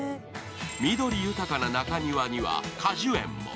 緑豊かな中庭には果樹園も。